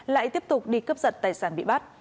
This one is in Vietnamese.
lại tiếp tục đi cướp giật tài sản bị bắt